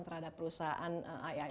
terhadap perusahaan iif ini pak